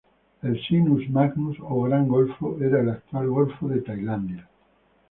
El Sinus Magnus, o Gran Golfo, era el actual golfo de Tailandia.